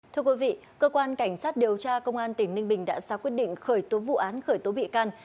thưa quý vị cơ quan cảnh sát điều tra công an tỉnh ninh bình đã ra quyết định khởi tố vụ án khởi tố bị can